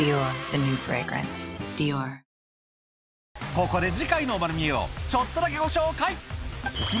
ここで次回の『まる見え！』をちょっとだけご紹介